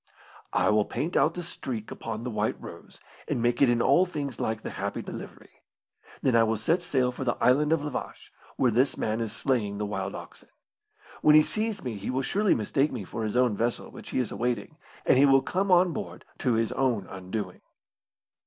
"I will paint out the streak upon the White Rose, and make it in all things like the Happy Delivery. Then I will set sail for the Island of La Vache, where this man is slaying the wild oxen. When he sees me he will surely mistake me for his own vessel which he is awaiting, and he will come on board to his own undoing."